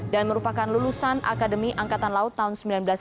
dan merupakan lulusan akademi angkatan laut tahun seribu sembilan ratus delapan puluh lima